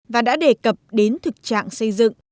và đã đề cập đến thực trạng xây dựng